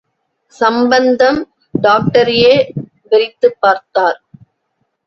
சம்பந்தம், டாக்டரையே வெறித்துப் பார்த்தார்.